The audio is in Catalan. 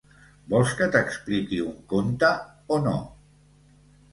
Vols que t'expliqui un conte, o no?